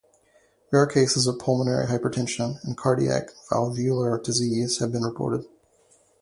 Rare cases of pulmonary hypertension and cardiac valvular disease have been reported.